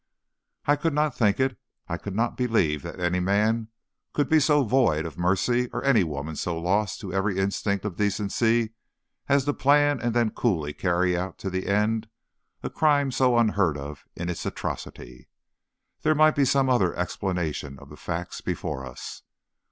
I could not think it. I could not believe that any man could be so void of mercy, or any woman so lost to every instinct of decency, as to plan, and then coolly carry out to the end, a crime so unheard of in its atrocity. There must be some other explanation of the facts before us.